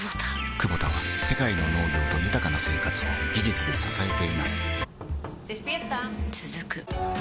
クボタは世界の農業と豊かな生活を技術で支えています起きて。